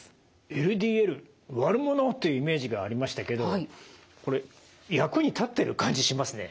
ＬＤＬ悪者というイメージがありましたけどこれ役に立ってる感じしますね。